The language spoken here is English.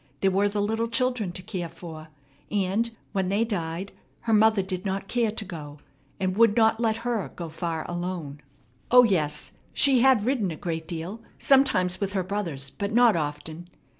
There were the little children to care for; and, when they died, her mother did not care to go, and would not let her go far alone. O, yes, she had ridden a great deal, sometimes with her brothers, but not often.